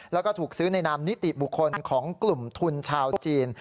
แล้วก็ถูกซื้อในนามนิติบุคคลของกลุ่มทุนชาวจีน